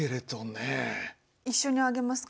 一緒に挙げますか？